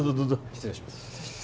失礼します